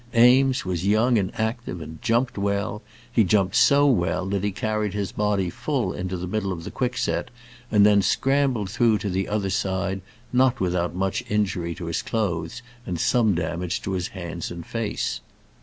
Eames was young and active and jumped well. He jumped so well that he carried his body full into the middle of the quickset, and then scrambled through to the other side, not without much injury to his clothes, and some damage also to his hands and face.